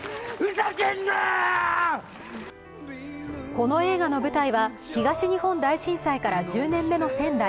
この映画の舞台は東日本大震災から１０年目の仙台。